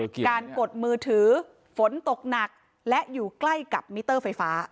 การกดมือถือฝนตกหนักและอยู่ใกล้กับมิเตอร์ไฟฟ้า